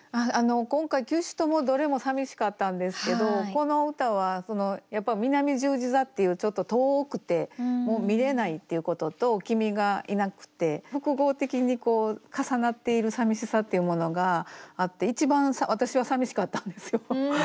今回９首ともどれもさみしかったんですけどこの歌はやっぱ「南十字座」っていうちょっと遠くてもう見れないっていうことと君がいなくて複合的に重なっているさみしさっていうものがあって一番私はさみしかったんですよ。